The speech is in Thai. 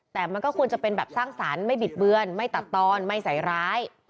แต่มันก็ควรจะเป็นแบบสร้างสรรค์ไม่บิดเบือนไม่ตัดตอนไม่ใส่ร้าย